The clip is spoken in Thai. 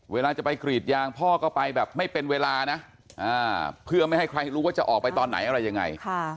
เวลาจะไปกรีดยางพ่อก็ไปแบบไม่เป็นเวลานะเพื่อไม่ให้ใครรู้ว่าจะออกไปตอนไหนอะไรยังไง